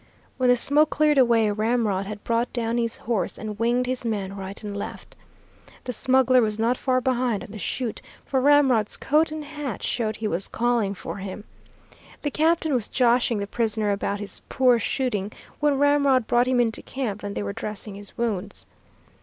When the smoke cleared away, Ramrod had brought down his horse and winged his man right and left. The smuggler was not far behind on the shoot, for Ramrod's coat and hat showed he was calling for him. The captain was joshing the prisoner about his poor shooting when Ramrod brought him into camp and they were dressing his wounds.